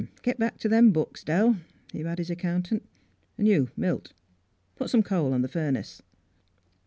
"Git back to them books, Dell," he bade his accountant ;" an' you, Milt, put some coal in the furnace."